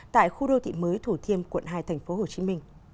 tại khu đô thị mới thủ thiêm quận hai tp hcm